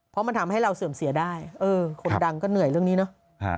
เพราะมันทำให้เราเสื่อมเสียได้เออคนดังก็เหนื่อยเรื่องนี้เนอะ